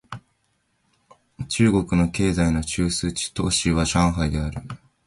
中国の経済の中枢都市は上海である